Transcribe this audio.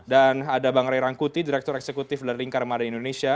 dan ada bang ray rangkuti direktur eksekutif laring karma dari indonesia